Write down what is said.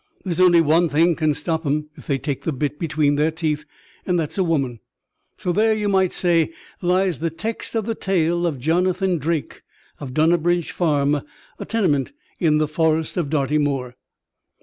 There's only one thing can stop 'em if they take the bit between their teeth, and that's a woman. So there, you might say, lies the text of the tale of Jonathan Drake, of Dunnabridge Farm, a tenement in the Forest of Dartymoor.